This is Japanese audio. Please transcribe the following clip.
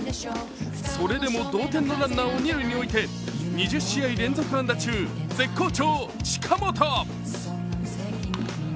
それでも同点のランナーを二塁において２０試合連続安打中、絶好調・近本！